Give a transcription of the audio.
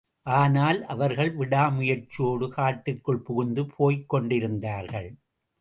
ஆனால், அவர்கள் விடாமுயற்சியோடு காட்டிற்குள் புகுந்து போய்க்கொண்டிருந்தார்கள்.